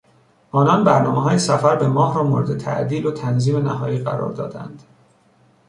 آنان برنامههای سفر به ماه را مورد تعدیل و تنظیم نهایی قرار دادند.